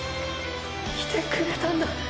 来てくれたんだ